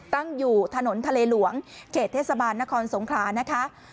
ตั้งอยู่ถนนทะเลหลวงเขตเทศบาลนครสงขลานะคะ